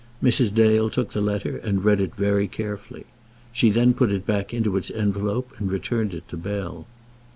Mrs. Dale took the letter and read it very carefully. She then put it back into its envelope and returned it to Bell.